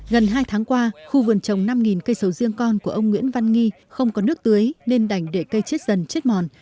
gần hai tháng qua khu vườn trồng năm cây sầu riêng con của ông nguyễn văn nghi không có nước tưới nên đành để cây chết dần chết mòn